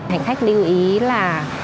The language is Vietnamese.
hành khách lưu ý là